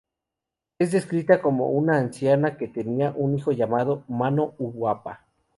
Es descrita como una anciana que tenía un hijo llamado "Mano-uapa".